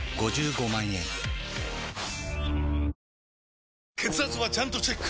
三井不動産血圧はちゃんとチェック！